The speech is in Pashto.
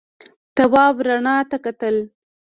تواب رڼا ته کتل.